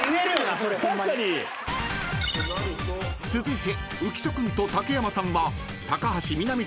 ［続いて浮所君と竹山さんは］